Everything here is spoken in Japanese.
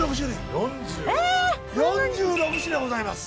４６品ございます。